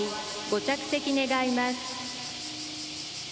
ご着席願います。